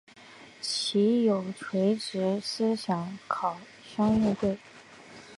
其与垂直思考相对应。